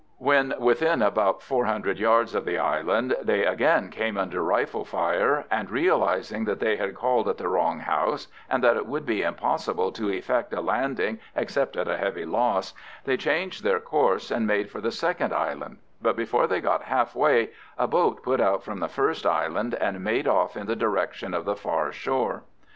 When within about 400 yards of the island they again came under rifle fire, and realising that they had called at the wrong house, and that it would be impossible to effect a landing except at a heavy loss, they changed their course and made for the second island; but before they got half way a boat put out from the first island, and made off in the direction of the far shore.